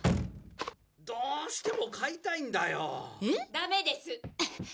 ダメです。